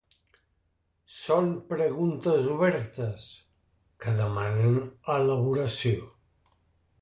Són preguntes obertes, que demanen elaboració.